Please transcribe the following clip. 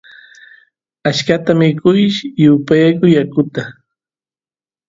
achkata mikush y upiyash yakuta